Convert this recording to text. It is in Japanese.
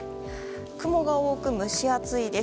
雲が多く蒸し暑いです。